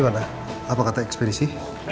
gimana apa kata ekspedisi